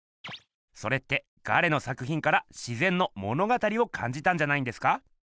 それってガレの作ひんから「自ぜんの物語」をかんじたんじゃないんですか？